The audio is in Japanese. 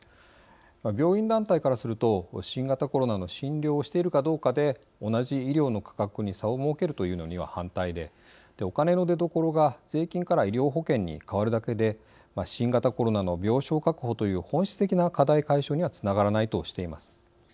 病院団体からすると新型コロナの診療をしているかどうかで同じ医療の価格に差を設けるというのには反対でお金の出どころが税金から医療保険に代わるだけで新型コロナの病床確保という本質的な課題解消にはつながらないとしています。